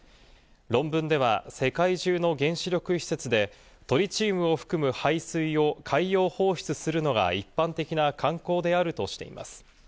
論文では、世界中の原子力施設でトリチウムを含む排水を海洋放出するのが一般的な慣行であるとしています。